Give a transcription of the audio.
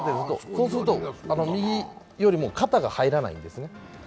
そうすると右よりも肩が入らないんですよね。